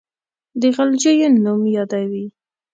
د غلجیو نوم یادوي.